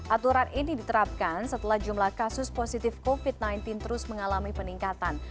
aturan ini diterapkan setelah jumlah kasus positif covid sembilan belas terus mengalami peningkatan